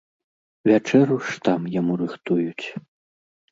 Вячэру ж там яму рыхтуюць.